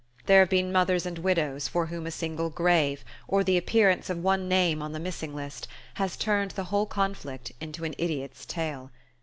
There have been mothers and widows for whom a single grave, or the appearance of one name on the missing list, has turned the whole conflict into an idiot's tale.